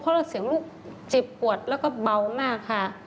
เพราะเสียงลูกเจ็บปวดแล้วก็เบามากค่ะ